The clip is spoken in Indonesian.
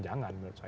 jangan menurut saya